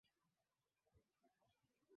kulevya wasio na vibali ambao mara nyingi